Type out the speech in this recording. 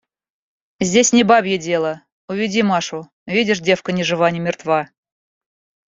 – Здесь не бабье дело; уведи Машу; видишь: девка ни жива ни мертва».